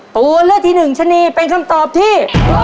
ตัวเลือกที่หนึ่งชะนีเป็นคำตอบที่